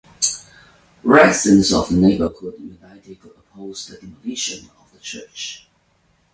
Residents of the neighborhood united to oppose the demolition of the church.